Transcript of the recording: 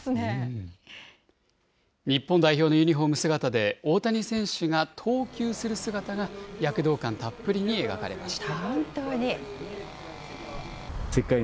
日本代表のユニホーム姿で、大谷選手が投球する姿が躍動感たっぷりに描かれました。